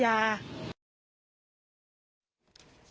แล้วก็เข้าจริง